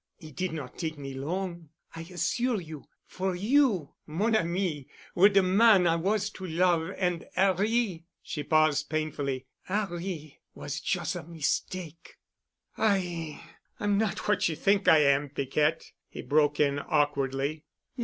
"It did not take me long, I assure you—for you, mon ami, were de man I was to love an' 'Arry——" she paused painfully. "'Arry was jus' a mistake." "I—I'm not what you think I am, Piquette," he broke in awkwardly.